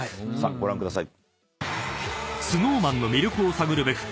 ご覧ください。